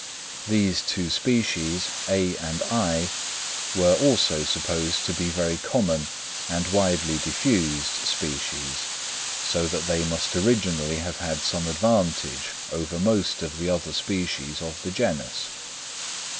These two species (A and I), were also supposed to be very common and widely diffused species, so that they must originally have had some advantage over most of the other species of the genus.